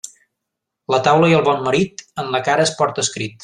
La taula i el bon marit, en la cara es porta escrit.